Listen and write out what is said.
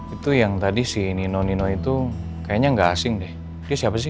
itu yang tadi si nino nino itu kayaknya nggak asing deh siapa sih